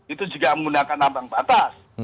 itu juga menggunakan ambang batas